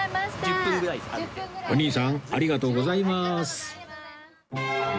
お兄さんありがとうございます